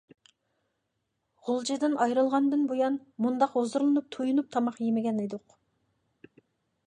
غۇلجىدىن ئايرىلغاندىن بۇيان، مۇنداق ھۇزۇرلىنىپ، تويۇنۇپ تاماق يېمىگەن ئىدۇق.